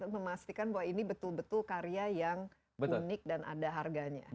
memastikan bahwa ini betul betul karya yang unik dan ada harganya